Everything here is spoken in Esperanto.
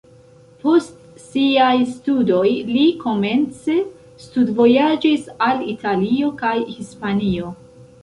Post siaj studoj li komence studvojaĝis al Italio kaj Hispanio.